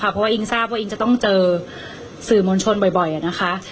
เพราะว่าอิงทราบว่าอิงจะต้องเจอสื่อมวลชนบ่อยนะคะ